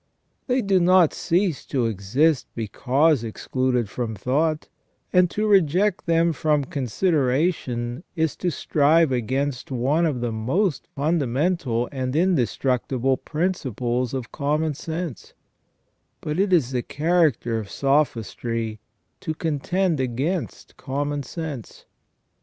They do not cease to exist because excluded from thought, and to reject them from consideration is to strive against one of the most fun damental and indestructive principles of common sense ; but it is the character of sophistry to contend against common sense.